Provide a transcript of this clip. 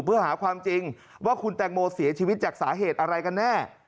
เพื่อหาความจริงว่าคุณแตงโมเสียชีวิตจากสาเหตุอะไรกันแน่